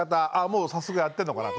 もう早速やってんのかな。